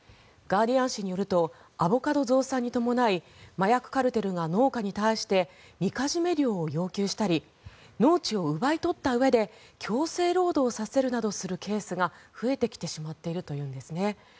ガーディアン紙によるとアボカド増産に伴い麻薬カルテルが農家に対してみかじめ料を要求したり農地を奪い取ったうえで強制労働させるなどするケースが増えてきてしまっているというんですね。